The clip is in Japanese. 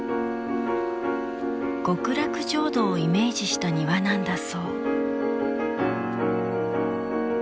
極楽浄土をイメージした庭なんだそう。